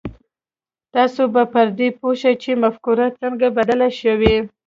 تاسې به پر دې پوه شئ چې مفکورې څنګه بدلې شوې.